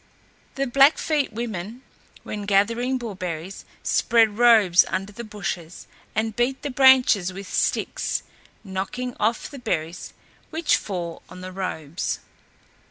The Blackfeet women, when gathering bullberries, spread robes under the bushes and beat the branches with sticks, knocking off the berries, which fall on the robes.